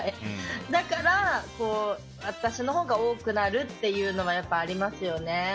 だから私のほうが多くなるっていうのはありますよね。